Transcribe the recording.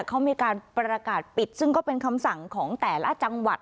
เขามีการประกาศปิดซึ่งก็เป็นคำสั่งของแต่ละจังหวัด